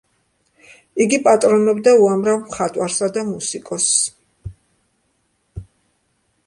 იგი პატრონობდა უამრავ მხატვარსა და მუსიკოსს.